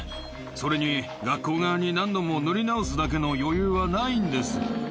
それに、学校側に何度も塗り直すだけの余裕はないんです。